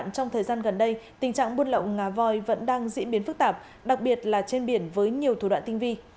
trong thời gian gần đây tình trạng buôn lậu ngà voi vẫn đang diễn biến phức tạp đặc biệt là trên biển với nhiều thủ đoạn tinh vi